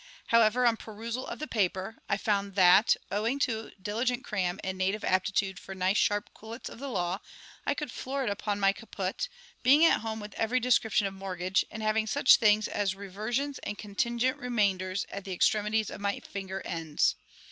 However, on perusal of the paper, I found that, owing to diligent cram and native aptitude for nice sharp quillets of the law, I could floor it upon my caput, being at home with every description of mortgage, and having such things as reversions and contingent remainders at the extremities of my finger ends.